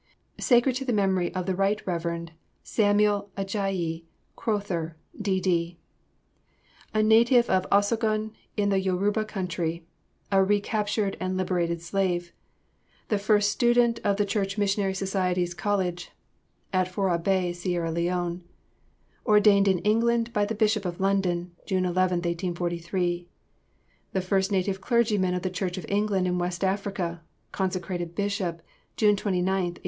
Sacred to the memory of THE RIGHT REV. SAMUEL AJAYI CROWTHER, D.D. A Native of Osogun, in the Yoruba Country; A Recaptured and Liberated Slave; The First Student in the Church Missionary Society's College, At Fourah Bay, Sierra Leone; Ordained in England by the Bishop of London, June 11th, 1843; The First Native Clergyman of the Church of England in West Africa, Consecrated Bishop, June 29th, 1864.